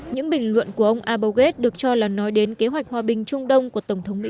những bình luận của ông aboued được cho là nói đến kế hoạch hòa bình trung đông của tổng thống mỹ